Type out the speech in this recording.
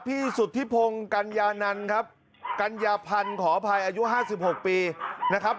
สุธิพงศ์กัญญานันครับกัญญาพันธ์ขออภัยอายุ๕๖ปีนะครับ